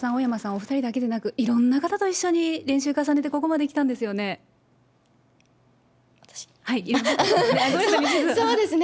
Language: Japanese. お２人だけでなく、いろんな方と一緒に練習を重ねてここまで来たんですよね。